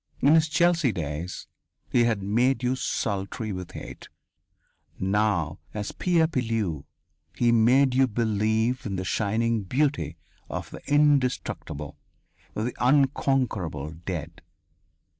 In his Chelsea days, he had made you sultry with hate. Now, as Pierre Pilleux, he made you believe in the shining beauty of the indestructible, the unconquerable dead.